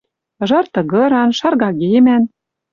Ыжар тыгыран, шаргагемӓн